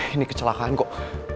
ini kecelakaan kok